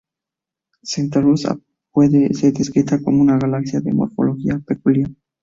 Centaurus A puede ser descrita como una galaxia de morfología peculiar.